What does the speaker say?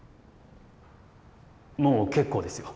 もう結構ですよ。